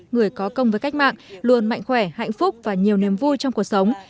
người có công với cách mạng luôn mạnh khỏe hạnh phúc và nhiều niềm vui trong cuộc sống